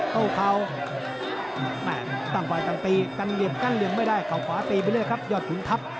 โต้เขาตั้งฝ่ายต่างตีกันเหลี่ยมกั้นเหลี่ยงไม่ได้เขาขวาตีไปเรื่อยครับยอดขุนทัพ